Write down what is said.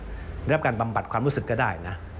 ได้รับการบำบัดความรู้สึกก็ได้นะ